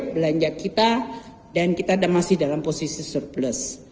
belanja kita dan kita masih dalam posisi surplus